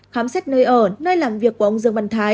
khám xét nơi ở nơi làm việc của ông dương văn thái